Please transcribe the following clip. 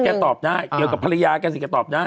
ตอบได้เกี่ยวกับภรรยาแกสิแกตอบได้